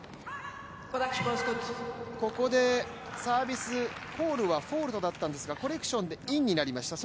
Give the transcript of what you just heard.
ここでサービスコールはフォールトだったんですが、コレクションでインになりました。